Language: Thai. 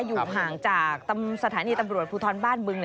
อยู่ห่างจากสถานีตำรวจภูทรบ้านบึง